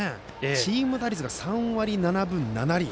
チーム打率が３割７分７厘。